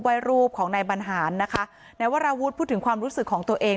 ไว้รูปของนายบรรหารนะคะนายวราวุฒิพูดถึงความรู้สึกของตัวเอง